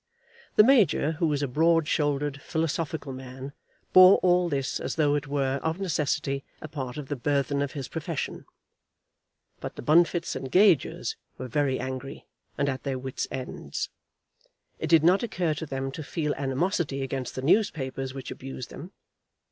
The major, who was a broad shouldered, philosophical man, bore all this as though it were, of necessity, a part of the burthen of his profession; but the Bunfits and Gagers were very angry, and at their wits' ends. It did not occur to them to feel animosity against the newspapers which abused them.